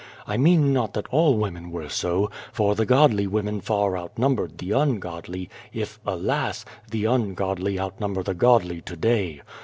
I mean not that all women were so, for the godly women far outnumbered the ungodly, if, alas ! the ungodly outnumber the godly to day.